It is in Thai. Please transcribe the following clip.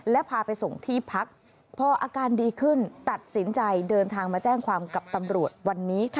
และพาไปส่งที่พักพออาการดีขึ้นตัดสินใจเดินทางมาแจ้งความกับตำรวจวันนี้ค่ะ